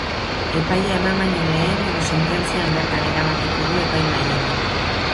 Epaia eman baino lehen edo sententzian bertan erabakiko du epaimahaiak.